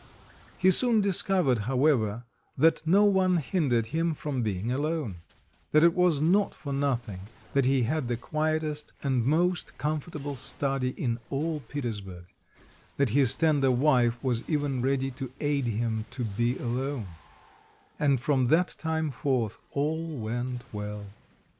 He soon discovered, however, that no one hindered him from being alone; that it was not for nothing that he had the quietest and most comfortable study in all Petersburg; that his tender wife was even ready to aid him to be alone; and from that time forth all went well.